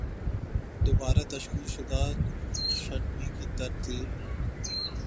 دوبارہ تشکیل شدہ چھٹنی کی ترتیب